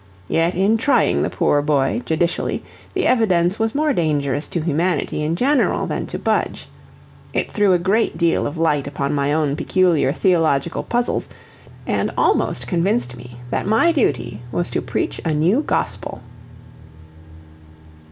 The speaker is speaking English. Yet in trying the poor boy, judicially, the evidence was more dangerous to humanity in general than to Budge; it threw a great deal of light upon my own peculiar theological puzzles, and almost convinced me that my duty was to preach a new gospel.